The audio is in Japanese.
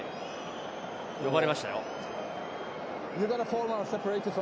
呼ばれましたよ。